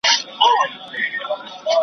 څوک به دي ستايي په چا به ویاړې؟ .